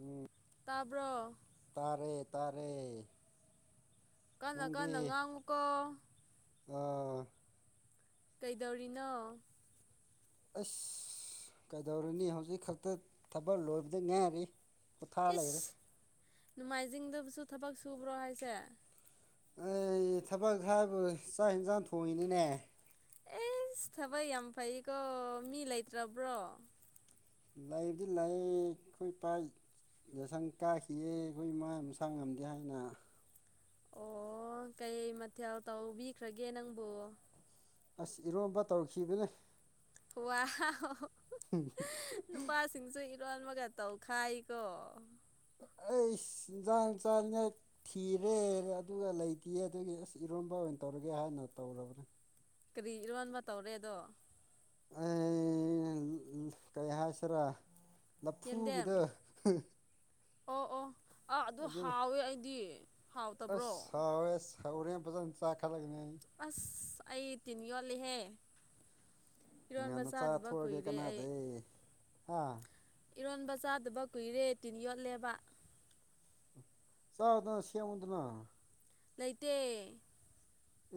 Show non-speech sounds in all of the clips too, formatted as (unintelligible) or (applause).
ꯎꯝ ꯇꯥꯕ꯭ꯔꯣ ꯇꯥꯔꯦ ꯇꯥꯔꯦ ꯀꯥꯟ ꯀꯥꯟꯅ ꯉꯥꯡꯉꯨꯀꯣ ꯑꯥ ꯀꯩꯗꯧꯔꯤꯅꯣ ꯑꯁ ꯀꯩꯗꯧꯔꯨꯅꯤ ꯍꯧꯖꯤꯛ ꯈꯛꯇ ꯊꯕꯛ ꯂꯣꯏꯕꯗ ꯉꯥꯏꯔꯤ ꯀꯊꯥ ꯂꯩꯔꯦ ꯅꯣꯡꯃꯥꯏꯖꯤꯡꯗꯕꯁꯨ ꯊꯕꯛ ꯁꯨꯕ꯭ꯔꯣ ꯍꯥꯏꯁꯦ ꯑꯩ ꯊꯕꯛ ꯍꯥꯏꯕꯨ ꯆꯥꯛ ꯏꯟꯁꯥꯡ ꯊꯣꯡꯉꯤꯅꯤꯅꯦ ꯑꯦꯁ ꯊꯕꯛ ꯌꯥꯝ ꯐꯩꯀꯣ ꯃꯤ ꯂꯩꯇ꯭ꯔꯕ꯭ꯔꯣ ꯂꯥꯏꯕꯗꯤ ꯂꯥꯏ ꯑꯩꯈꯣꯏ ꯄꯥꯏ ꯌꯥꯁꯪ ꯀꯥꯈꯤꯌꯦ ꯑꯩꯈꯣꯏ ꯏꯃꯥ ꯃꯁꯥꯡ ꯉꯝꯗꯦ ꯍꯥꯏꯅ ꯑꯣ ꯀꯩ ꯃꯊꯦꯜ ꯇꯧꯕꯤꯈ꯭ꯔꯒꯦ ꯅꯪꯕꯨ ꯑꯁ ꯏꯔꯣꯝꯕ ꯇꯧꯔꯛꯈꯤꯕꯅꯦ ꯋꯥ ꯅꯨꯄꯥꯁꯤꯡꯁꯨ (unintelligible) ꯑꯩ ꯏꯟꯁꯥꯡ ꯆꯥꯅꯤꯡꯉ ꯊꯤꯔꯦ ꯑꯗꯨꯒ ꯂꯩꯇꯦ ꯑꯗꯨꯒꯤ ꯑꯁ ꯏꯔꯣꯝꯕ ꯑꯣꯏꯅ ꯇꯧꯔꯦ ꯍꯥꯏꯅ ꯇꯧꯔꯕ꯭ꯔꯥ ꯀꯔꯤ ꯏꯔꯣꯟꯕ ꯇꯧꯔꯦꯗꯣ ꯑ ꯀꯩ ꯍꯥꯏꯁꯦꯔ ꯌꯦꯟꯗꯦꯝ ꯂꯐꯨꯒꯤꯗ ꯑ ꯑꯗꯨ ꯍꯥꯎꯋꯦ ꯑꯩꯗꯤ ꯑ ꯍꯥꯎꯇꯕ꯭ꯔꯣ ꯁꯥꯎꯋꯦ ꯁꯥꯎꯔꯤ ꯄꯖ ꯆꯥꯈꯥ ꯂꯅ ꯑꯁ ꯑꯩ ꯇꯤꯟ ꯌꯣꯜꯂꯤꯍꯦ ꯉꯟꯅ ꯆꯥꯊꯣꯛꯑꯒꯦ ꯀꯅꯥꯗꯩ ꯑꯥ ꯏꯔꯣꯟꯕ ꯆꯥꯗꯕ ꯀꯨꯏꯔꯦ ꯇꯤꯟ ꯌꯣꯠꯂꯦꯕ ꯁꯥꯔꯗꯁꯤꯌꯥꯃꯗꯅꯥ (unintelligible) ꯂꯩꯇꯦ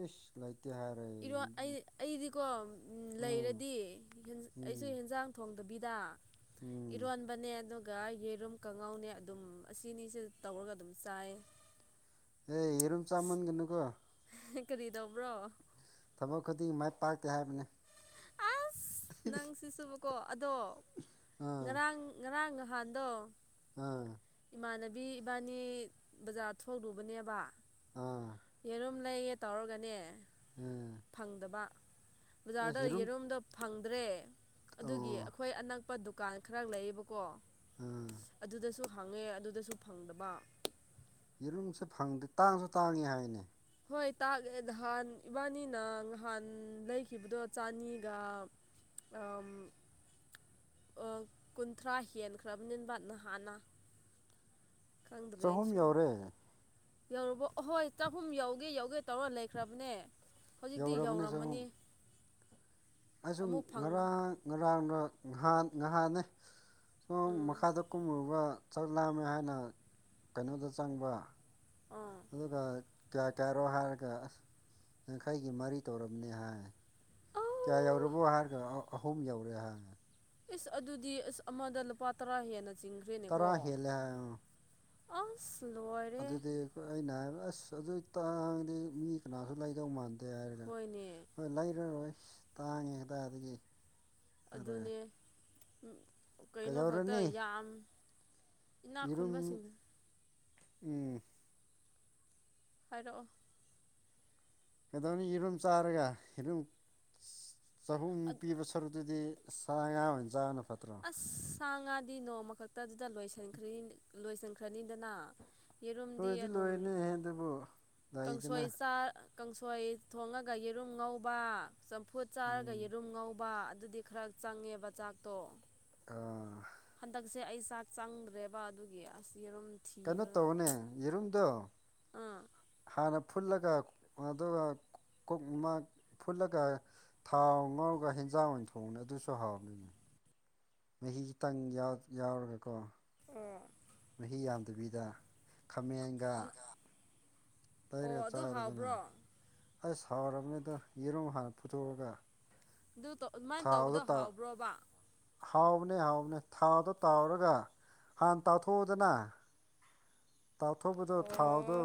ꯏꯁ ꯂꯩ ꯏꯔꯣ ꯑꯩ ꯑꯩꯗꯤꯀꯣ ꯎꯝ ꯂꯩꯔꯗꯤ ꯑꯩꯁꯨ ꯎꯝ ꯌꯦꯟꯖꯥꯡ ꯊꯣꯡꯗꯕꯤꯗ ꯗ ꯎꯝ ꯏꯔꯣꯟꯕꯅꯦ ꯑꯗꯨꯒ ꯒ ꯌꯦꯔꯨꯝ ꯀꯉꯥꯎꯅꯦ ꯑꯗꯨꯝ ꯑꯁꯤꯅꯤꯁꯤ ꯇꯧꯔꯒ ꯑꯗꯨꯝ ꯆꯥꯏ ꯑꯦ ꯌꯦꯔꯨꯝ ꯆꯥꯃꯟꯒꯅꯨꯀꯣ ꯀꯔꯤꯗꯕ꯭ꯔꯣ ꯊꯕꯛ ꯈꯨꯗꯤꯡꯒꯤ ꯃꯥꯏ ꯄꯥꯛꯇꯦ ꯍꯥꯏꯕꯅꯤ ꯑꯁ ꯅꯪ ꯁꯤ ꯁꯨꯕꯀꯣ ꯑꯗꯣ ꯉꯔꯥꯡ ꯉꯔꯥꯡ ꯅꯍꯥꯟꯗꯣ ꯎꯝ ꯏꯃꯥꯟꯅꯕꯤ ꯏꯕꯥꯅꯤ ꯕꯖꯥꯔ ꯊꯣꯛꯂꯨꯕꯅꯦꯕ ꯑꯥ ꯌꯦꯔꯨꯝ ꯂꯩꯌꯦ ꯇꯧꯔꯒꯅꯦ ꯑꯥ ꯐꯪꯗꯕ ꯑꯁ ꯕꯖꯥꯔꯗ ꯌꯦꯔꯨꯝ ꯌꯦꯔꯨꯝꯗꯣ ꯐꯪꯗ꯭ꯔꯦ ꯑꯣ ꯑꯗꯨꯒꯤ ꯑꯩꯈꯣꯏ ꯑꯅꯛꯄꯗꯨ ꯗꯨꯀꯥꯟ ꯈꯔ ꯂꯩꯌꯦꯕꯀꯣ ꯑꯥ ꯑꯗꯨꯗꯁꯨ ꯍꯪꯉꯦ ꯑꯗꯨꯗꯁꯨ ꯐꯪꯗꯕ ꯌꯦꯔꯨꯝꯁꯦ ꯐꯪꯗꯦ ꯇꯥꯡꯁꯨ ꯇꯥꯡꯉꯤ ꯍꯥꯏꯅꯦ ꯍꯣꯏ ꯇꯥꯛꯦ ꯅꯍꯥꯟ ꯏꯕꯥꯅꯤꯅ ꯅꯍꯥꯟ ꯂꯩꯈꯤꯕꯗꯣ ꯆꯅꯤꯒ ꯑ ꯀꯨꯟꯊ꯭ꯔꯥ ꯍꯦꯟꯈ꯭ꯔꯕꯅꯤꯕ ꯅꯍꯥꯟꯅ ꯈꯪꯗ꯭ꯔꯦ ꯆꯍꯨꯝ ꯑꯩꯁꯨ ꯌꯧꯔꯦ ꯌꯧꯔꯕꯣ ꯑꯍꯣꯏ ꯆꯥꯛꯍꯨꯝ ꯌꯧꯒꯦ ꯌꯧꯒꯦ ꯇꯧꯔ ꯂꯩꯈ꯭ꯔꯕꯅꯦ ꯍꯧꯖꯤꯛꯇꯤ ꯌꯧꯔꯕꯅꯦ ꯆꯍꯨꯝ ꯌꯧꯔꯝꯃꯅꯤ ꯑꯩꯁꯨ ꯑꯃꯨꯛ ꯐꯪ ꯉꯔꯥꯡ ꯉꯔꯥꯡꯅꯍ ꯉꯥꯏꯍꯥꯟꯅꯤ ꯁꯣ ꯎꯝ ꯃꯈꯥꯗ ꯀꯨꯝꯔꯨꯕ ꯆꯥꯛ ꯂꯥꯝꯃꯦ ꯍꯥꯏꯅ ꯀꯩꯅꯣꯗ ꯆꯪꯕ ꯑꯥ ꯑꯗꯨꯒ ꯀꯌꯥ ꯀꯌꯥꯔꯣ ꯍꯥꯏꯔꯒ ꯑꯁ ꯌꯥꯡꯈꯩꯒꯤ ꯃꯔꯤ ꯇꯧꯔꯕꯅꯤ ꯍꯥꯏ ꯑꯧ ꯀꯌꯥ ꯌꯧꯔꯕꯣ ꯍꯥꯏꯔꯒ ꯑꯍꯨꯝ ꯌꯧꯔꯦ ꯍꯥꯡꯉꯦ ꯏꯁ ꯑꯗꯨꯗꯤ ꯑꯁ ꯑꯃꯗ ꯂꯨꯄꯥ ꯇꯔꯥ ꯍꯦꯟꯅ ꯇꯔꯥ ꯍꯦꯂꯦ ꯍꯥꯏ ꯑ ꯑꯗꯨꯗꯤ ꯑꯩꯏ ꯑꯩꯅ ꯍꯥꯏꯕ ꯑꯁ ꯑꯗꯨ ꯇꯥꯡꯉꯥꯗꯤ ꯃꯤ ꯀꯅꯥꯁꯨ ꯂꯩꯗꯧ ꯃꯥꯟꯗꯦ ꯗꯦ ꯍꯥꯏꯔꯒ ꯍꯣꯏꯅꯦ ꯍꯣꯏ ꯂꯩꯔꯔꯣꯏ ꯇꯥꯡꯉꯦ ꯍꯗꯥꯏꯗꯒꯤ ꯑꯗꯨꯅꯦ ꯀꯩꯅꯣ ꯈꯛꯇ ꯀꯩꯗꯧꯔꯅꯤ ꯌꯥꯝ ꯏꯅꯥꯛ ꯌꯦꯔꯨꯝ ꯈꯨꯟꯕꯁꯤꯡꯗ ꯎꯝ ꯍꯥꯏꯔꯛꯑꯣ ꯀꯩꯗꯧꯅꯤ ꯌꯦꯔꯨꯝ ꯆꯥꯔꯒ ꯌꯦꯔꯨꯝ ꯆꯍꯨꯝ ꯄꯤꯕ ꯁꯔꯨꯛꯇꯨꯗꯤ (unintelligible) ꯑꯁ ꯁꯥ ꯉꯥꯗꯤ ꯅꯣꯡꯃ ꯈꯛꯇꯗꯨꯗ ꯂꯣꯏꯁꯤꯟꯈ꯭ꯔꯅꯤꯗꯅ ꯌꯦꯔꯨꯝꯗꯤ ꯂꯣꯏꯗꯤ ꯑꯗꯨꯝ ꯂꯣꯏꯅꯤ ꯑꯗꯨꯕꯨ ꯂꯩꯗꯅ ꯀꯥꯡꯁꯣꯏ ꯆꯥ ꯀꯥꯡꯁꯣꯏ ꯊꯣꯡꯉꯒ ꯌꯦꯔꯨꯝ ꯉꯧꯕ ꯆꯝꯐꯨꯠ ꯆꯥꯔꯒ ꯎꯝ ꯌꯦꯔꯨꯝ ꯉꯧꯕ ꯑꯗꯨꯗꯤ ꯈꯔ ꯆꯪꯉꯦꯕ ꯆꯥꯛꯇꯣ ꯑꯥ ꯍꯟꯗꯛꯁꯦ ꯑꯩ ꯆꯥꯛ ꯆꯪꯗ꯭ꯔꯦꯕ ꯑꯗꯨꯒꯤ ꯑꯁ ꯌꯦꯔꯨꯝ ꯀꯩꯅꯣ ꯊꯤꯔꯒ ꯇꯧꯕꯅꯦ ꯌꯦꯔꯨꯝꯗꯣ ꯑꯥ ꯍꯥꯟꯅ ꯐꯨꯜꯂꯒ ꯑꯗ ꯀꯣꯛ ꯑꯃ ꯐꯨꯠꯂꯒ ꯊꯥꯎ ꯉꯥꯎꯔꯒ ꯍꯦꯟꯖꯥꯡ ꯑꯣꯏꯅ ꯊꯣꯡꯕꯅꯤ ꯑꯗꯨꯁꯨ ꯍꯥꯎꯗꯣꯏꯅꯤ ꯃꯍꯤ ꯈꯤꯇꯪ ꯌꯥꯎꯔꯒꯀꯣ ꯑꯣ ꯃꯍꯤ ꯌꯥꯝꯗꯕꯤꯗ ꯈꯥꯃꯦꯟꯒ ꯑꯣ ꯇꯥꯏꯔꯒ ꯑꯗꯨ ꯆꯥꯔꯗꯅ ꯍꯥꯎꯕ꯭ꯔꯣ ꯑꯁ ꯁꯥꯎꯔꯕꯅꯤꯗ ꯌꯦꯔꯨꯝ ꯍꯥꯟꯅ ꯐꯨꯊꯣꯛꯑꯒ ꯑꯗꯨ ꯑꯗꯨꯃꯥꯏꯅ ꯇꯧꯕꯗꯣ ꯍꯥꯎꯕ꯭ꯔꯣꯕ ꯍꯥꯎꯕꯅꯦ ꯍꯥꯎꯕꯅꯦ ꯊꯥꯗꯣ ꯇꯥꯎꯔꯒ ꯍꯥꯟꯅ ꯇꯥꯊꯣꯛꯑꯗꯅ ꯑꯣ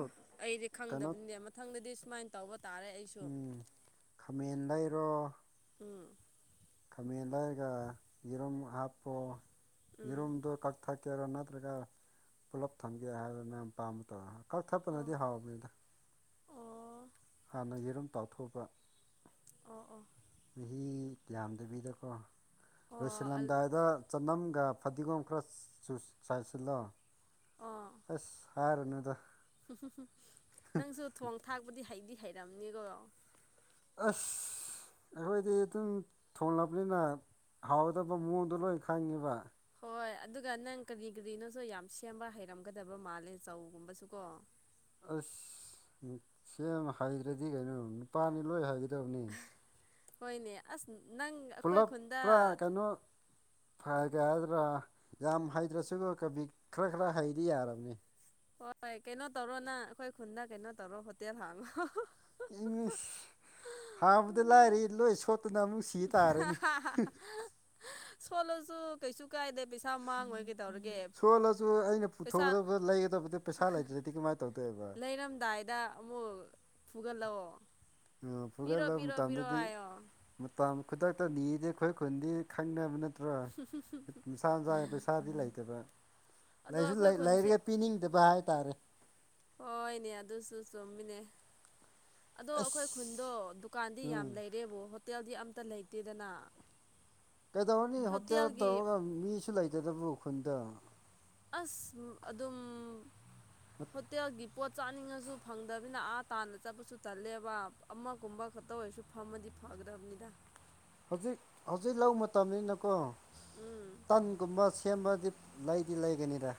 ꯑꯩꯗꯤ ꯀꯩꯅꯣ ꯈꯪꯗꯕꯅꯤꯅꯦ ꯃꯊꯪꯗꯗꯤ ꯁꯨꯃꯥꯏꯅ ꯇꯧꯕ ꯇꯥꯔꯦ ꯑꯩꯁꯨ ꯎꯝ ꯈꯥꯃꯦꯟ ꯂꯩꯔꯣ ꯎꯝ ꯈꯥꯃꯦꯟ ꯂꯩꯔꯒ ꯌꯦꯔꯨꯝ ꯍꯥꯞꯄꯣ ꯎꯝ ꯌꯦꯔꯨꯝꯗꯣ ꯀꯛꯊꯛ ꯀꯦꯔꯣ ꯅꯠꯇ꯭ꯔꯒ ꯄꯨꯂꯞ ꯊꯝꯒꯦ ꯍꯥꯏꯕꯗꯨꯅ ꯌꯥꯝ ꯄꯥꯝꯕ ꯇꯧꯔ ꯑꯣ ꯀꯛꯊꯠꯄꯅꯗꯤ ꯍꯥꯎꯕꯅꯤꯗ ꯑꯣ ꯍꯥꯟꯅ ꯌꯦꯔꯨꯝ ꯇꯥꯛꯊꯣꯛꯄ ꯑꯣ ꯑꯣ ꯃꯍꯤ ꯌꯥꯝꯗꯕꯤꯗꯀꯣ ꯑꯣ ꯑꯜ ꯂꯣꯏꯁꯤꯜꯂꯝꯗꯥꯏꯗ ꯆꯅꯝꯒ ꯐꯗꯤꯒꯣꯝ ꯈꯔ ꯆꯥꯏꯁꯤꯜꯂꯣ ꯑꯣ ꯑꯁ ꯍꯥꯏꯔꯅꯨꯗ ꯅꯪꯁꯨ ꯊꯣꯡ ꯊꯥꯛꯄꯗꯤ ꯍꯩꯗꯤ ꯍꯩꯔꯝꯅꯤꯀꯣ ꯑ ꯑꯩꯈꯣꯏꯗꯤ ꯑꯗꯨꯝ ꯊꯣꯡꯂꯕꯅꯤꯅ ꯍꯥꯎꯗꯕ ꯃꯑꯣꯡꯗꯣ ꯂꯣꯏ ꯈꯪꯉꯤꯕ ꯍꯣꯏ ꯑꯗꯨꯒ ꯅꯪ ꯀꯔꯤ ꯀꯔꯤꯅꯣꯁꯨ ꯌꯥꯝ ꯁꯦꯝꯕ ꯍꯩꯔꯝꯒꯗꯕ ꯃꯥꯜꯂꯦ ꯆꯧꯒꯨꯝꯕꯁꯨ ꯀꯣ ꯑꯁ ꯁꯦꯝ ꯍꯥꯏꯩꯗ꯭ꯔꯗꯤ ꯀꯩꯅꯣ ꯅꯨꯄꯥꯅꯤ ꯂꯣꯏ ꯍꯥꯏꯒꯗꯕꯅꯤ ꯍꯣꯏꯅꯦ ꯑꯁ ꯅꯪ ꯑꯩꯈꯣꯏ ꯄꯨꯂꯞ ꯈꯨꯟꯗ ꯄꯨꯥ ꯀꯩꯅꯣ ꯐ ꯀꯩꯗ꯭ꯔꯥ ꯌꯥꯝ ꯍꯩꯇ꯭ꯔꯁꯨ ꯀꯕꯤꯛ ꯈꯔ ꯈꯔ ꯍꯩꯗꯤ ꯌꯥꯔꯕꯅꯤ ꯍꯣꯏ ꯀꯩꯅꯣ ꯇꯧꯔꯣ ꯅ ꯑꯩꯈꯣꯏ ꯈꯨꯟꯗꯥ ꯀꯩꯅꯣ ꯇꯧꯔꯣ ꯍꯣꯇꯦꯜ ꯍꯥꯥꯡꯂꯣ ꯏ ꯍꯕꯗ ꯂꯥꯏꯔꯤ ꯂꯣꯏ ꯁꯣꯠ ꯅꯪ ꯁꯤ ꯇꯥꯔꯦꯅꯦ ꯁꯣꯜꯂꯁꯨ ꯀꯩꯁꯨ ꯀꯥꯏꯗꯦ ꯄꯩꯁꯥ ꯃꯥꯡꯉꯒ ꯁꯣꯜꯂꯁꯨ ꯑꯩꯅ ꯄꯨꯊꯣꯛꯗꯕ ꯂꯩꯒꯗꯕꯗ ꯄꯩꯁꯥ ꯂꯩꯇ꯭ꯔꯗꯤ ꯀꯃꯥꯏꯅ ꯇꯧ ꯂꯩꯔꯝꯗꯥꯏꯗ ꯑꯃꯨꯛ ꯐꯨꯒꯠꯂꯛꯑꯣ ꯄꯤꯔꯣ ꯐꯨꯒꯠꯂꯕ ꯄꯤꯔꯣ ꯄꯤꯔꯣ ꯃꯇꯝꯗꯗꯤ ꯍꯥꯏꯌꯣ ꯃꯇꯝ ꯈꯨꯗꯛ ꯅꯤꯗꯤ ꯑꯩꯈꯣꯏ ꯈꯨꯟꯗꯤ ꯈꯪꯅꯕ ꯅꯠꯇꯦ ꯅꯠꯇ꯭ꯔꯣ ꯁꯥ ꯅꯨꯡꯁꯥꯒꯤ ꯄꯩꯁꯥꯗꯤ ꯂꯩꯇꯕ ꯑꯗꯣ ꯁꯨ ꯑꯩꯈꯣꯏ ꯈꯨꯟꯁꯤ ꯂꯩꯔꯒ ꯄꯤꯅꯤꯡꯗꯕ ꯍꯥꯏ ꯇꯔꯦ ꯍꯣꯏꯅꯦ ꯑꯗꯨꯁꯨ ꯆꯨꯝꯃꯤꯅꯦ ꯑꯗꯣ ꯑꯩꯈꯣꯏ ꯈꯨꯟꯗꯣ ꯑꯁ ꯗꯨꯀꯥꯟꯗꯤ ꯌꯥꯝ ꯎꯝ ꯂꯩꯔꯦꯕꯨ ꯍꯣꯇꯦꯜꯗꯤ ꯑꯝꯇ ꯂꯩꯇꯦꯗꯅ ꯀꯩꯗꯧꯔꯅꯤ ꯍꯣꯇꯦꯜ ꯍꯣꯇꯦꯜꯒꯤ ꯇꯧꯔꯒ ꯃꯤꯁꯨ ꯂꯩꯇꯗꯕꯨ ꯈꯨꯟꯗ ꯑꯁ ꯑꯗꯨꯝ ꯍꯠꯇꯒꯤ ꯄꯣꯠ ꯆꯥꯅꯤꯡꯉꯁꯨ ꯐꯪꯗꯕꯤꯅꯤꯅ ꯑꯥ ꯇꯥꯅ ꯆꯠꯄꯁꯨ ꯇꯜꯂꯦꯕ ꯑꯃꯒꯨꯝꯕ ꯈꯛꯇ ꯑꯣꯏꯔꯁꯨ ꯐꯝꯃꯗꯤ ꯍꯒ꯭ꯔꯥꯕꯅꯤꯗ ꯍꯧꯖꯤꯛ ꯍꯧꯖꯤꯛ ꯂ ꯃꯇꯝꯅꯤꯅꯀꯣ ꯎꯝ ꯇꯟꯒꯨꯝꯕ ꯁꯦꯝꯕꯗꯤ ꯂꯩꯗꯤ ꯂꯩꯒꯅꯤꯔ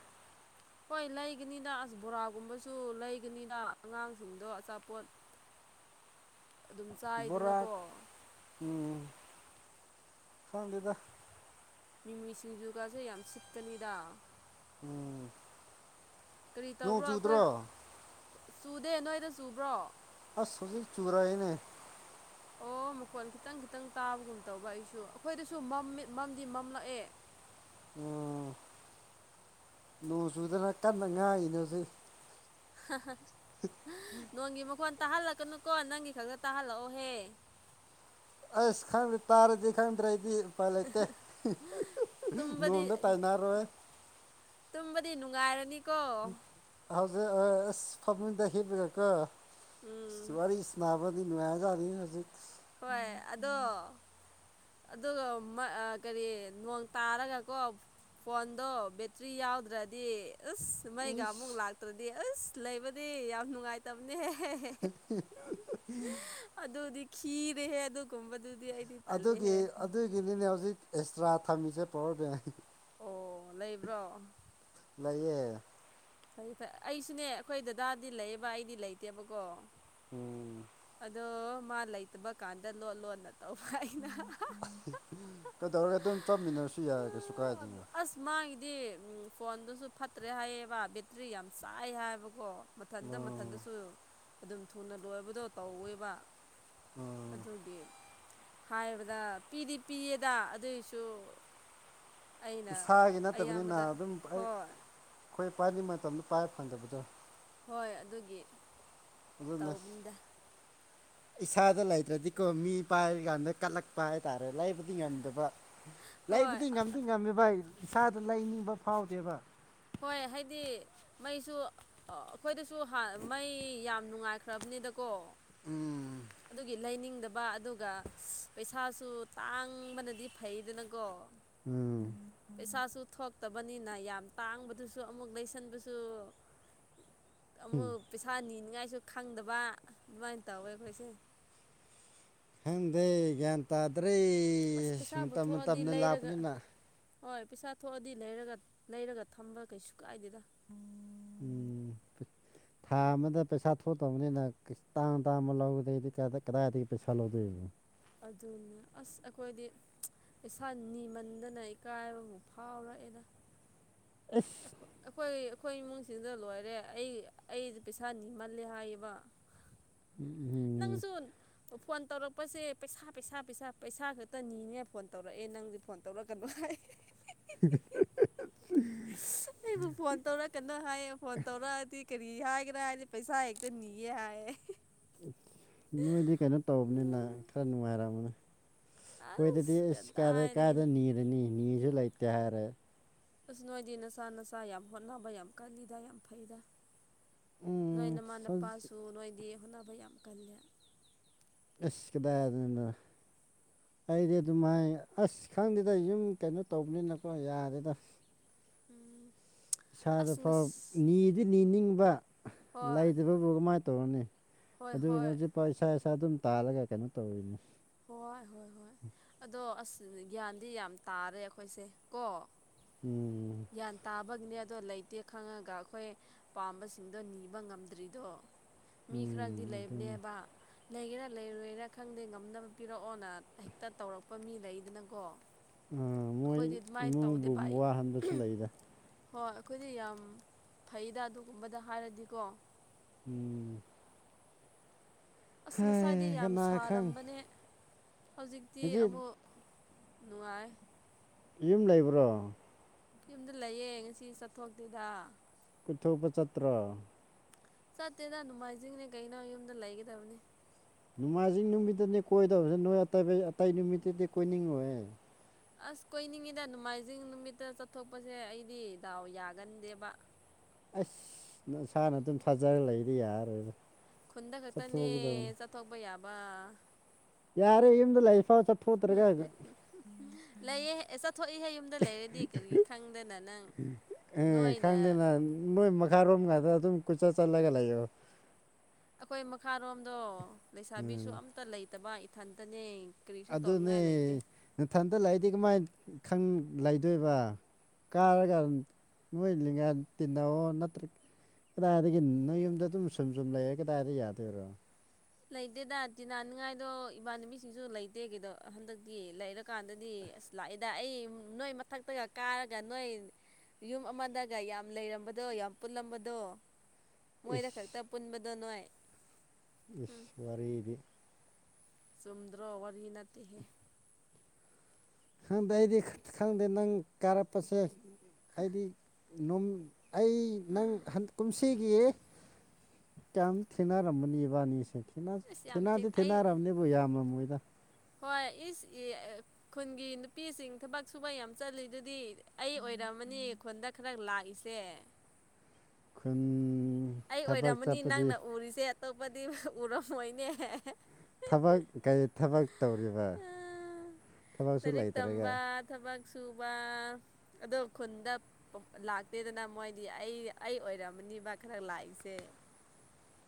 ꯍꯣꯏ ꯂꯩꯒꯅꯤꯗ ꯑꯁ ꯕꯣꯔꯥꯒꯨꯝꯕꯁꯨ ꯂꯩꯒꯅꯤꯗ ꯑꯉꯥꯡꯁꯤꯡꯗꯣ ꯑꯆꯥꯄꯣꯠ (unintelligible) ꯣꯔꯥꯥꯛ ꯆꯥꯏꯗꯅꯀꯣ ꯁꯕꯤꯗ ꯃꯤꯃꯤꯁꯤꯡ ꯌꯨꯒꯥꯥꯁꯦ ꯌꯥꯝ ꯁꯤꯠꯀꯅꯤꯗ ꯎꯝ ꯀꯔꯤ ꯅꯣꯡ ꯇꯧꯕ꯭ꯔꯣ ꯑꯩꯈꯣꯏ ꯆꯨꯗ꯭ꯔꯣ ꯆꯨꯗꯦ ꯅꯣꯏꯗ ꯆꯨꯕ꯭ꯔꯣ ꯑꯁꯣ ꯁꯤ ꯆꯨꯨꯔꯑꯅꯦ ꯑꯣ ꯈꯣꯟ ꯈꯤꯇꯪ ꯈꯤꯇꯪ ꯇꯥꯕꯒꯨꯝ ꯇꯧꯕ ꯑꯩꯁꯨ ꯑꯩꯈꯣꯏꯗꯁꯨ ꯃꯝꯗꯤ ꯃꯝꯂꯛꯑꯦ ꯎ ꯂꯨ ꯆꯨꯗꯅ ꯀꯟꯅ ꯉꯥꯏꯔꯤꯅꯣ ꯁꯤ ꯅꯣꯡꯒꯤ ꯃꯈꯣꯟ ꯇꯥꯍꯜꯂꯛ ꯀꯅꯨꯀꯣ ꯅꯪꯒꯤ ꯈꯛꯇ ꯇꯥꯍꯜꯂꯛꯑꯣꯍꯦ ꯑꯁ ꯈꯪꯗ ꯇꯥꯔꯗꯤ ꯈꯪꯗꯔꯦꯗꯤ ꯏꯄꯥꯥꯏ ꯂꯩꯇꯦ ꯇꯨꯝꯕꯗꯤ ꯅꯣꯡꯗ ꯇꯥꯏꯅꯔꯣꯏ ꯗꯤ ꯅꯨꯡꯉꯥꯏꯔꯅꯤ ꯍꯧꯖ ꯑ ꯑꯁ ꯐꯝꯃꯤꯗ ꯍꯦꯕꯔꯀ ꯎꯝ ꯋꯥꯔꯤ ꯏꯁꯅꯥꯕꯗꯤ ꯅꯨꯡꯉꯥꯏꯖꯥꯅꯤ ꯍꯧꯖꯤꯛ ꯍꯣꯏ ꯑꯗꯣ ꯑꯗꯨꯒ ꯀꯔꯤ ꯅꯣꯡ ꯇꯥꯔꯒꯀꯣ ꯐꯣꯟꯗꯣ ꯕꯦꯇ꯭ꯔꯤ ꯌꯥꯎꯗ꯭ꯔꯗꯤ ꯑꯁ ꯃꯩꯒ ꯑꯃꯨꯛ ꯏꯁ ꯂꯥꯛꯇ꯭ꯔꯗꯤ ꯑꯁ ꯂꯩꯕꯗꯤ ꯌꯥꯝ ꯅꯨꯡꯉꯥꯏꯇꯕꯅꯦꯍꯦ (inaudible) ꯑꯗꯨꯗꯤ ꯈꯤꯔꯦ ꯍꯦ ꯑꯗꯨꯒꯨꯝꯕꯗꯨ ꯑꯗꯨꯒꯤ ꯑꯗꯨꯒꯤꯅꯤꯅꯦ ꯍꯧꯖꯤꯛ ꯑꯦꯛꯁꯇ꯭ꯔꯥ ꯊꯝꯃꯤꯁꯦ ꯄꯥꯎꯔꯗ ꯑꯣ ꯂꯩꯕ꯭ꯔꯣ ꯑ ꯐꯔꯦ ꯐꯔꯩ ꯑꯩꯁꯨꯅꯦ ꯑꯩꯈꯣꯏ ꯗꯗꯥꯗꯤ ꯂꯩꯌꯦꯕ ꯑꯩꯗꯤ ꯂꯩꯇꯦꯕꯀꯣ ꯎꯝ ꯑꯗꯣ ꯃꯥ ꯂꯩꯇꯕ ꯀꯥꯟꯗ ꯂꯣꯟ ꯂꯣꯟꯅ ꯇꯧꯕ ꯍꯥꯏꯩꯅ ꯀꯩꯗꯧꯔꯒ ꯑꯗꯨꯝ ꯆꯠꯃꯤꯟꯅꯔꯁꯨ ꯌꯥꯔꯦ ꯀꯩꯁꯨ ꯀꯥꯏꯗꯣꯏꯅꯣ ꯑꯥꯡꯒꯤꯗꯤ ꯎ ꯐꯣꯟꯗꯨꯁꯨ ꯐꯠꯇ꯭ꯔꯦ ꯍꯥꯏꯌꯦꯕ ꯕꯦꯇ꯭ꯔꯤ ꯌꯥꯝ ꯆꯥꯏ ꯍꯥꯏꯕꯀꯣ ꯃꯊꯟꯇ ꯎꯝ ꯃꯊꯟꯇꯁꯨ ꯑꯗꯨꯝ ꯊꯨꯅ ꯂꯣꯏꯕꯗꯣ ꯇꯧꯋꯦꯕ ꯎꯝ ꯑꯗꯨꯒꯤ ꯍꯥꯏꯕꯗ ꯄꯤꯗꯤ ꯄꯤꯌꯦꯗ ꯑꯗꯨꯏꯁꯨ ꯑꯩꯅ ꯏꯁꯥꯒꯤ ꯅꯠꯇꯕꯅꯤꯅ ꯑꯌꯥꯝꯕꯗ ꯑꯗꯨꯝ ꯑꯩ ꯍꯣꯏ ꯑꯩꯈꯣꯏ ꯄꯥꯏꯅꯤꯡꯕ ꯃꯇꯝꯗ ꯄꯥꯏꯕ ꯐꯪꯗꯕꯗꯣ ꯍꯣꯏ ꯑꯗꯨꯒꯤ ꯑꯗꯨꯅ ꯇꯧꯕꯅꯤꯗ ꯏꯁꯥꯗ ꯂꯩꯇ꯭ꯔꯗꯤꯀꯣ ꯃꯤ ꯄꯥꯏ ꯀꯥꯟꯗ ꯀꯠꯂꯛꯄ ꯍꯥꯏꯇꯥꯔꯦ ꯂꯥꯏꯕꯗꯤ ꯉꯝꯗꯕ ꯍꯣꯏ ꯂꯥꯏꯕꯨꯗꯤ ꯑ ꯉꯝꯗꯤ ꯉꯝꯃꯤꯕ ꯏꯁꯥꯗ ꯂꯩꯅꯤꯡꯕ ꯐꯥꯎꯗꯦꯕ ꯍꯣꯏ ꯍꯥꯏꯗꯤ ꯃꯩꯁꯨ ꯑꯩꯈꯣꯏꯗꯁꯨ ꯃꯩ ꯌꯥꯝ ꯅꯨꯡꯉꯥꯏꯈ꯭ꯔꯕꯅꯤ ꯎꯝ ꯑꯗꯨ ꯂ ꯪꯗꯕ ꯑꯗꯨꯒ ꯄꯩꯁꯥꯁꯨ ꯇꯥꯡꯕꯅꯗꯤ ꯐꯩꯗꯅꯀꯣ ꯎꯝ ꯄꯩꯁꯥꯁꯨ ꯊꯣꯛꯇꯕꯅꯤꯅ ꯌꯥꯝ ꯇꯥꯡꯕꯗꯨꯁꯨ ꯑꯃꯨꯛ ꯂꯩꯁꯟꯕꯁꯨ ꯑꯃꯨꯛ ꯄꯩꯁꯥ ꯅꯤꯅꯤꯡꯉꯥꯏꯁꯨ ꯈꯪꯗꯕ ꯑꯗꯨꯃꯥꯏꯅ ꯇꯧꯋꯦ ꯑꯩꯈꯣꯏꯁꯦ ꯍꯪꯗꯦ ꯒ꯭ꯌꯥꯟ ꯇꯥꯗ꯭ꯔꯦ ꯑꯁ ꯃꯇꯝ ꯄꯩꯁꯥꯕꯨ ꯃꯇꯝ ꯊꯣꯛꯑꯗꯤ ꯃꯇꯝꯅ ꯂꯩꯔꯒ ꯂꯥꯛꯞꯄꯅꯤꯅ ꯍꯣꯏ ꯄꯩꯁꯥ ꯊꯣꯛꯑꯗꯤ ꯂꯩꯔꯒ ꯂꯩꯔꯒ ꯊꯝꯕ ꯀꯩꯁꯨ ꯀꯥꯏꯗꯦꯗ ꯎꯝ ꯎꯝ ꯊꯥ ꯑꯃꯗ ꯄꯩꯁꯥ ꯊꯣꯛꯇꯕꯅꯤꯅ ꯇꯥꯡ ꯇꯥꯕ ꯂꯧꯗꯣꯏꯗꯤ ꯀꯗꯥꯏꯗꯒꯤ ꯄꯩꯁꯥ ꯂꯧꯗꯣꯏꯅꯣ ꯑꯗꯨꯅꯦ ꯑꯁ ꯑꯩꯈꯣꯏꯗꯤ ꯏꯁꯥ ꯅꯤꯃꯟꯗꯅ ꯏꯀꯥꯏꯕꯕꯨ ꯐꯥꯎꯔꯛꯑꯦꯅ ꯑꯁ ꯑꯩꯈꯣꯏ ꯑꯩꯈꯣꯏ ꯏꯃꯨꯡꯁꯤꯡꯗ ꯂꯣꯏꯔꯦ ꯑꯩ ꯑꯩꯁ ꯄꯩꯁꯥ ꯅꯤꯃꯜꯂꯦ ꯍꯥꯏꯌꯦꯕ ꯎꯝ ꯎꯝ ꯅꯪꯁꯨ ꯐꯣꯟ ꯇꯧꯔꯛꯄꯁꯦ ꯄꯩꯁꯥ ꯄꯩꯁꯥ ꯄꯩꯁꯥ ꯄꯩꯁꯥ ꯈꯛꯇꯅꯤꯅꯦ ꯐꯣꯟ ꯇꯧꯔꯛꯑꯦ ꯅꯪꯗꯤ ꯐꯣꯟ ꯇꯧꯔꯛꯀꯗ꯭ꯔꯣ ꯍꯥꯏ ꯑꯩꯕꯨ ꯐꯣꯟ ꯇꯧꯔ ꯀꯟꯅ ꯍꯥꯏꯌꯦ ꯐꯣꯟ ꯇꯧꯔꯛꯑꯗꯤ ꯀꯔꯤ ꯍꯥꯏꯒꯦ꯭ꯔꯥ ꯍꯥꯏꯗꯤꯦ ꯄꯩꯁꯥ ꯍꯛꯇꯅꯤꯌꯦꯦ ꯍꯥꯏꯌꯦ ꯅꯣꯏꯗꯤ ꯀꯩꯅꯣ ꯇꯧꯕꯅꯤꯅ ꯈꯔ ꯅꯨꯡꯉꯥꯏꯔꯑꯝꯕꯅꯦ ꯍꯣꯏꯗꯗꯤ ꯑꯁ ꯏꯁꯁ ꯀꯥꯗ ꯀꯗꯥꯏꯗꯒꯤ ꯀꯥꯗ ꯅꯤꯔꯅꯤ ꯅꯤꯁꯨ ꯂꯩꯇꯦ ꯍꯥꯏꯔꯦ ꯑꯁ ꯅꯣꯏꯗꯤ ꯅꯁꯥ ꯅꯁꯥ ꯌꯥꯝ ꯍꯣꯠꯅꯕ ꯌꯥꯝ ꯀꯜꯂꯤꯗ ꯌꯥꯝ ꯐꯩꯗ ꯅꯣꯏ ꯎꯝ ꯅꯃꯥꯟ ꯍꯧꯖꯤꯛ ꯅꯄꯥꯁꯨ ꯅꯣꯏꯗꯤ ꯍꯣꯠꯅꯕ ꯌꯥꯝ ꯀꯥꯟꯗ ꯑꯁꯤ ꯀꯗꯥꯥꯏ ꯑꯗꯨꯅ ꯑꯩꯗꯤ ꯑꯗꯨꯃꯥꯏ ꯑꯁ ꯈꯪꯗꯦꯗ ꯌꯨꯝ ꯀꯩꯅꯣ ꯇꯧꯕꯅꯤꯅꯀꯣ ꯌꯥꯔꯦꯗ ꯎꯝ ꯏꯁꯥꯗ ꯑꯁ ꯐꯥꯎ ꯉꯁ ꯅꯤꯗꯤ ꯅꯤ ꯅꯤꯡꯕ ꯍꯣꯏ ꯂꯩꯇꯕꯕꯨ ꯀꯃꯥꯏꯅ ꯇꯧꯔꯅꯤ ꯍꯣꯏ ꯑꯗꯨꯒꯤꯅꯦ ꯍꯣꯏ ꯍꯧꯖꯤꯛꯐꯥꯎ ꯏꯁꯥ ꯏꯁꯥ ꯑꯗꯨꯝ ꯇꯥꯜꯂꯒ ꯀꯩꯅꯣ ꯇꯧꯔꯤꯅꯦ ꯍꯣꯏ ꯍꯣꯏ ꯍꯣꯏ ꯑꯗꯣ ꯑꯁ ꯒ꯭ꯌꯥꯟꯗꯤ ꯌꯥꯝ ꯇꯥꯔꯦ ꯑꯩꯈꯣꯏꯁꯦ ꯀꯣ ꯎꯝ ꯌꯥ ꯇꯥꯕꯒꯅꯦ ꯑꯗꯣ ꯂꯩꯇꯦ ꯈꯪꯉꯒ ꯑꯩꯈꯣꯏ ꯄꯥꯝꯕꯁꯤꯡꯗꯣ ꯅꯤꯕ ꯉꯝꯗ꯭ꯔꯤꯗꯣ ꯃꯤ ꯎꯝ ꯈꯔꯗꯤ ꯑꯗꯨꯅꯤ ꯂꯩꯕꯅꯦꯕ ꯂꯩꯒꯦꯔꯥ ꯂꯩꯔꯣꯏꯦꯔꯥ ꯈꯪꯗꯦ ꯉꯝꯅꯕ ꯄꯤꯔꯛꯑꯣꯅ ꯍꯦꯛꯇ ꯇꯧꯔꯛꯄ ꯃꯤ ꯂꯩꯗꯅꯀꯣ ꯑꯥ ꯃꯣꯏ ꯑꯩꯈꯣꯏꯗꯤ ꯑꯗꯨꯃꯥꯏꯅ ꯇꯧꯗꯦ ꯏꯃꯨꯡꯕꯨ ꯚꯥꯏ ꯋꯥꯍꯟꯕꯁꯨ ꯂꯩꯗ ꯍꯣꯏ ꯑꯩꯈꯣꯏꯗꯤ ꯌꯥꯝ ꯐꯩꯗ ꯑꯗꯨꯒꯨꯝꯕꯗ ꯍꯥꯏꯔꯗꯤꯀꯣ ꯎꯝ ꯑꯁ ꯉꯁꯥꯏꯗꯤ ꯍꯩ ꯌꯥꯝ ꯀꯅꯥ ꯈꯪ ꯁꯥꯔꯝꯕꯅꯦ ꯍꯧꯖꯤꯛꯇꯤ ꯉꯁꯤ ꯑꯃꯨꯛ ꯅꯨꯡꯉꯥꯏ ꯌꯨꯝ ꯂꯩꯕ꯭ꯔꯣ ꯌꯨꯝꯗ ꯂꯩꯌꯦ ꯉꯁꯤ ꯆꯠꯊꯣꯛꯇꯦꯗ ꯆꯊꯣꯛꯄ ꯆꯇ꯭ꯔ ꯆꯠꯇꯦꯗ ꯅꯨꯡꯉꯥꯏꯖꯤꯡꯅꯦ ꯀꯩꯅꯣ ꯌꯨꯝꯗ ꯂꯩꯒꯗꯕꯅꯤ ꯅꯣꯡꯃꯥꯏꯖꯤꯡ ꯅꯨꯃꯤꯠꯇꯗꯤ ꯀꯣꯏꯗꯕꯁ ꯅꯣꯏ ꯑ ꯑꯇꯩ ꯅꯨꯃꯤꯠꯇꯗꯤ ꯀꯣꯏꯅꯤꯡꯉꯣꯏ ꯑꯁ ꯀꯣꯏꯅꯤꯡꯉꯤꯗ ꯅꯣꯡꯃꯥꯏꯖꯤꯡ ꯅꯨꯃꯤꯠꯇ ꯆꯠꯊꯣꯛꯄꯁꯦ ꯑꯩꯗꯤ ꯗꯥꯎ ꯌꯥꯒꯟꯗꯦꯕ ꯑꯁ ꯏꯁꯥꯅ ꯑꯗꯨꯝ ꯊꯥꯖꯔ ꯂꯩꯗꯤ ꯌꯥꯔꯣꯏꯅ ꯈꯨꯟꯗ ꯈꯛꯇꯅꯦ ꯆꯠꯊꯣꯛꯄ ꯌꯥꯕ ꯌꯥꯔꯦ ꯌꯗ ꯂꯩꯐꯥꯎ ꯆꯠ ꯄꯨꯠꯇꯔꯒꯦ ꯂꯩꯌꯦ ꯆꯠꯊꯣꯛꯏꯍꯦ ꯌꯨꯝꯗ ꯂꯩꯔꯗꯤ ꯀꯔꯤ ꯈꯪꯗꯅ ꯅꯪ ꯎꯝ ꯅꯣꯏꯅ ꯈꯪꯗꯦꯅ ꯅꯣꯏ ꯃꯈꯥꯔꯣꯝ ꯉꯗ ꯑꯗꯨꯝ ꯀꯨꯆꯠ ꯆꯠꯂꯒ ꯂꯩꯌꯣ ꯑꯩꯈꯣꯏ ꯃꯈꯥꯔꯣꯝꯗꯣ ꯂꯩꯁꯥꯕꯤꯁꯨ ꯎꯝ ꯑꯝꯇ ꯂꯩꯇꯕ ꯏꯊꯟꯇꯅꯦ ꯀꯔꯤꯁꯨ ꯑꯗꯨꯅꯦ ꯇꯧꯅꯤꯡꯉꯥꯏ ꯂꯩꯇꯦ ꯅꯊꯟꯇ ꯂꯩꯗꯤ ꯀꯃꯥꯏꯅ ꯂꯩꯗꯣꯏꯕ ꯀꯥꯔ ꯀ ꯃꯒ ꯇꯅ ꯑꯣ ꯅꯠꯇ꯭ꯔ ꯀꯗꯥꯏꯗꯒꯤ ꯅꯣꯏ ꯌꯨꯝꯗ ꯑꯗꯨꯝ ꯁꯨꯝ ꯁꯨꯝ ꯂꯩꯔꯦ ꯀꯗꯥꯏꯗ ꯌꯥꯗꯣꯏꯔꯣ ꯂꯩꯇꯦꯗ ꯇꯤꯟꯅꯅꯤꯡꯉꯥꯏꯗꯣ ꯏꯃꯥꯟꯅꯕꯤꯁꯤꯡꯁꯨ ꯂꯩꯇꯦ ꯀꯗꯣ ꯍꯟꯗꯛꯇꯤ ꯂꯩꯔꯀꯥꯟꯗꯗꯤ ꯑꯁ ꯂꯥꯛꯏꯦꯗ ꯑꯩ ꯅꯣꯏ ꯃꯊꯛꯇꯒ ꯀꯥꯔꯒ ꯅꯣꯏ ꯌꯨꯝ ꯑꯃꯗꯒ ꯌꯥꯝ ꯂꯩꯔꯝꯕꯗꯣ ꯌꯥꯝ ꯄꯨꯜꯂꯝꯕꯗꯣ ꯃꯣꯏꯗ ꯏꯁ ꯈꯛꯇ ꯄꯨꯟꯕꯗꯣ ꯅꯣꯏ ꯏꯁ ꯏꯁ ꯋꯥꯔꯤꯔꯤꯕꯤ ꯁꯨꯝꯗ꯭ꯔꯣ ꯑꯋꯥꯔꯍꯤꯟꯅꯇꯦ ꯈꯪꯗꯦ ꯑꯩꯗꯤ ꯈꯪꯗꯦ ꯅꯪ ꯀꯥꯔꯛꯄꯁꯦ ꯑꯩꯗꯤ ꯑꯩ ꯅꯪ ꯀꯨꯝꯁꯤꯒꯤ ꯀꯝ ꯊꯦꯡꯅꯔꯝꯝꯕꯅꯤꯕꯅꯤꯁꯦ ꯏꯁ ꯌꯥꯝ ꯊꯤ ꯊꯦꯡꯅꯗꯤ ꯑꯩ ꯊꯦꯡꯅꯔꯕꯅꯦꯕ ꯌꯥꯝꯃ ꯃꯣꯏꯗ ꯍꯣꯏ ꯏꯁ ꯈꯨꯟꯒꯤ ꯅꯨꯄꯤꯁꯤꯡ ꯊꯕꯛ ꯁꯨꯕ ꯌꯥꯝ ꯆꯠꯂꯤ ꯑꯗꯨꯗꯤ ꯑꯩ ꯑꯣꯏꯔ ꯃꯅꯤ ꯑꯩꯈꯣꯟꯗ ꯈꯔ ꯂꯥꯛꯏꯁꯦ ꯈꯟ ꯑꯩ ꯑꯣꯏꯔꯝꯃꯅꯤ ꯅꯪꯅ ꯎꯔꯤꯁꯦ ꯑꯇꯣꯞꯄꯗꯤ ꯎꯔꯝꯃꯣꯏꯅꯦ ꯊꯕꯛ ꯊꯕꯛ ꯇꯧꯔꯤꯕ ꯊꯕꯛꯁꯨ ꯂꯥꯏꯔꯤꯛ ꯂꯩꯇ꯭ꯔꯒ ꯇꯝꯕ ꯊꯕꯛ ꯁꯨꯕ ꯑꯣ ꯈꯨꯟꯗ ꯂꯥꯛꯇꯦꯗꯅ ꯃꯣꯏꯗꯤ ꯑꯩ ꯑꯩ ꯑꯣꯏꯔꯝꯃꯅꯤꯕ ꯈ ꯈꯔ ꯂꯥꯛꯏꯁꯦ